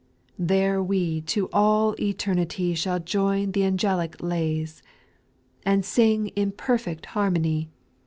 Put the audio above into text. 2. There we to all eternity Shall join th' angelic lays ; And sing in perfect harmony.